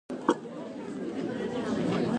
すばしこくて強いこと。